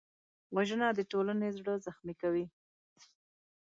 وژنه د ټولنې زړه زخمي کوي